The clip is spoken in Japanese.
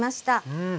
うん。